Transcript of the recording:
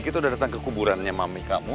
kita udah datang ke kuburannya mami kamu